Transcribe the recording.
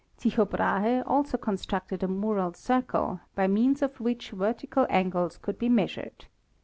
Tycho Brahe also constructed a mural circle, by means of which vertical angles could be measured.